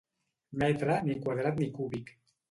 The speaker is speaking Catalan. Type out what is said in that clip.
Metre ni quadrat ni cúbic.